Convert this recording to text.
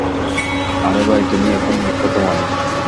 আরে ভাই তুমিই এখন বিখ্যাত মানুষ।